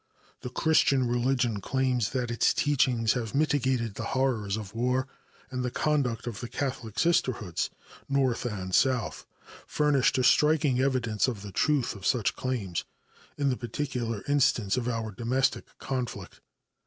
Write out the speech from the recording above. The Christian religion claims that its teachings have mitigated the horrors of war; and the conduct of the Catholic Sisterhoods, North and South, furnished a striking evidence of the truth of such claims, in the particular instance of our domestic conflict.